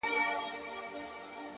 ژمنتیا هدف له خوب څخه واقعیت ته راولي،